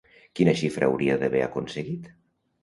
Quina xifra hauria d'haver aconseguit?